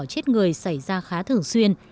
chết người xảy ra khá thường xuyên